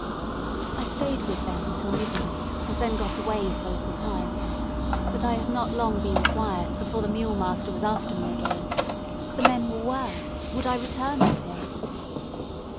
I stayed with them until midnight, and then got away for a little time. But I had not long been quiet, before the mule master was after me again. The men were worse; would I return with him.